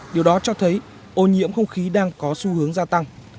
điều đó cho thấy ô nhiễm không khí đang có xu hướng gia tăng